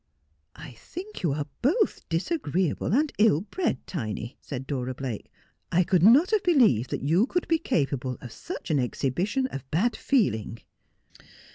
' I think you are both disagreeable and ill bred, Tiny,' said Dora Blake. ' I could not have believed that you could be capable of such an exhibition of bad feeling.'